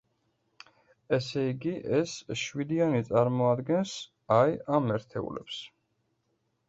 ესე იგი, ეს შვიდიანი წარმოადგენს, აი, ამ ერთეულებს.